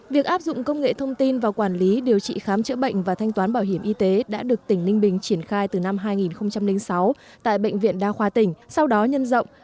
việc áp dụng công nghệ thông tin vào quản lý điều trị khám chữa bệnh và thanh toán bảo hiểm y tế đã được tỉnh ninh bình triển khai từ năm hai nghìn sáu tại bệnh viện đa khoa tỉnh sau đó nhân rộng